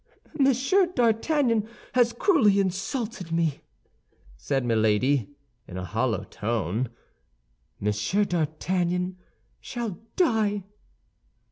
"Monsieur d'Artagnan has cruelly insulted me," said Milady, in a hollow tone; "Monsieur d'Artagnan shall die!"